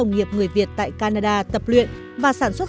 nhưng tôi cần thấy bài hát